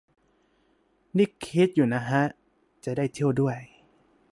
นี่คิดอยู่นะฮะ จะได้เที่ยวด้วย